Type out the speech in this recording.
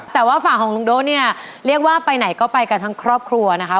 แต่ว่าฝั่งของลุงโด๊เนี่ยเรียกว่าไปไหนก็ไปกันทั้งครอบครัวนะคะ